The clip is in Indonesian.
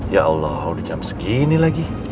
ya allah udah jam segini lagi